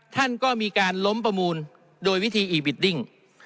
ท่านก็มีการล้มประมูลโดยวิธีอีบิดดิ้ง